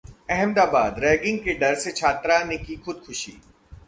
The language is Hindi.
अहमदाबाद: रैंगिंग के डर से छात्रा ने की खुदकुशी!